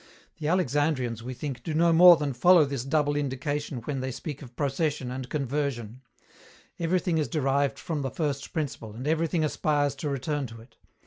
The Alexandrians, we think, do no more than follow this double indication when they speak of procession and conversion. Everything is derived from the first principle, and everything aspires to return to it.